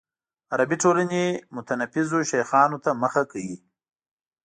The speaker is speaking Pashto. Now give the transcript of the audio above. عربي ټولنې متنفذو شیخانو ته مخه کوي.